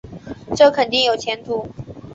这肯定有前途